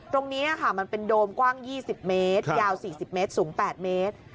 ตรงนี้ค่ะมันเป็นโดมกว้าง๒๐เมตรยาว๔๐เมตรสูง๘เมตร